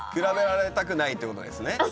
比べられたくないってことですね？